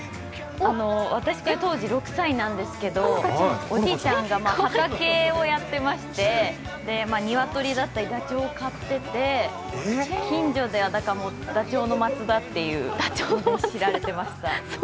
私が当時６歳なんですけども、おじいちゃんが畑をやっていましてにわとりだったりダチョウを飼ってて、近所でダチョウの松田って言われてました。